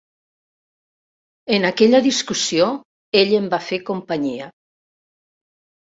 En aquella discussió, ell em va fer companyia.